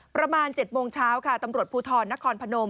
ประมาณ๗โมงเช้าค่ะตำรวจภูทรนครพนม